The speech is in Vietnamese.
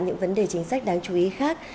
những vấn đề chính sách đáng chú ý khác